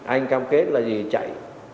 anh cam kết là gì chạy